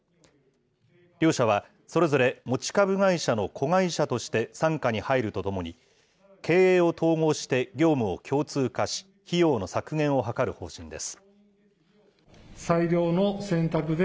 両社は、それぞれ持ち株会社の子会社として、傘下に入るとともに、経営を統合して業務を共通化し、費用の削減を図る方針です。